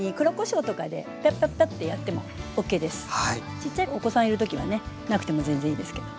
ちっちゃいお子さんいる時はねなくても全然いいですけど。